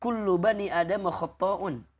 setiap manusia itu punya salah